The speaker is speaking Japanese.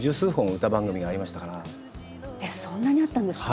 えっそんなにあったんですか？